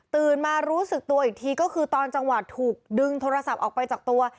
มารู้สึกตัวอีกทีก็คือตอนจังหวะถูกดึงโทรศัพท์ออกไปจากตัว